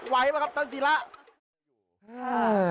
ไหวไหมครับตั้งทีแล้ว